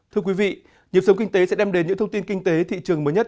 thưa quý vị nhiệm sống kinh tế sẽ đem đến những thông tin kinh tế thị trường mới nhất